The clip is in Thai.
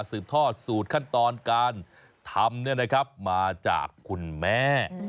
สืบทอดสูตรขั้นตอนการทำมาจากคุณแม่